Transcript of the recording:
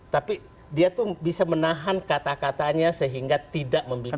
tapi dia tuh bisa menahan kata katanya sehingga tidak membicarakan